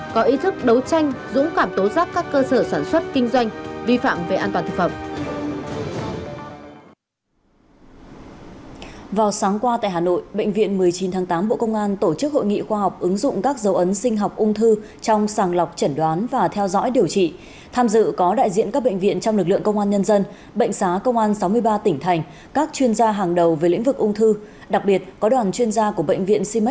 có ý thức đấu tranh dũng cảm tố giác các cơ sở sản xuất kinh doanh vi phạm về an toàn thực phẩm